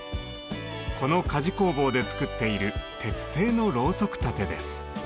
この鍛冶工房で作っている鉄製のロウソク立てです。